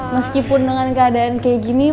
meskipun dengan keadaan kayak gini